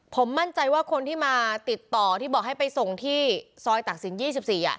ผมมั่นใจว่าคนที่มาติดต่อที่บอกให้ไปส่งที่ซอยตักศิลป๒๔